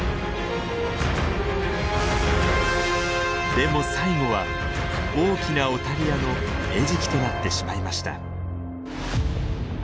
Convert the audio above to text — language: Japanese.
でも最後は大きなオタリアの餌食となってしまいました。